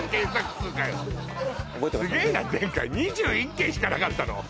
すげえな前回２１件しかなかったの？